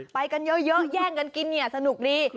ไปกันเยอะแย่งกันกินเนี่ยสนุกดี